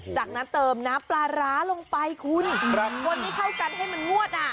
จากนั้นเติมน้ำปลาร้าลงไปคุณคนให้เข้ากันให้มันงวดอ่ะ